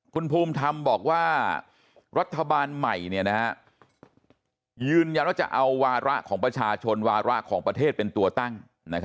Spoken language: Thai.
คุณภูมิธรรมบอกว่ารัฐบาลใหม่ยืนยันว่าจะเอาวาระของประชาชนวาระของประเทศเป็นตัวตั้ง